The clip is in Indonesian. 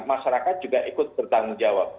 masyarakat juga ikut bertanggung jawab